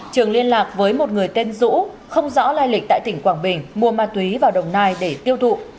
trường liên lạc với một người tên dũ không rõ lai lịch tại tỉnh quảng bình mua ma túy vào đồng nai để tiêu thụ